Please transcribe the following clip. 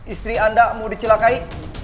istri anda mau dicelakai